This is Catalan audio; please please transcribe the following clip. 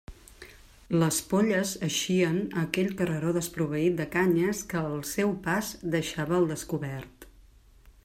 Les polles eixien a aquell carreró desproveït de canyes que el seu pas deixava al descobert.